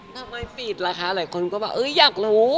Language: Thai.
ทำไมฟีดล่ะคะหลายคนก็บอกอยากรู้